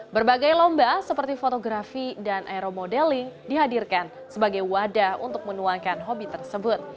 berbagai lomba seperti fotografi dan aeromodeling dihadirkan sebagai wadah untuk menuangkan hobi tersebut